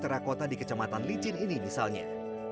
terakun terkota di kecematan licin ini misalnya